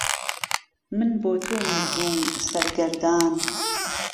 من بۆ تۆ مردوم سهرگهردان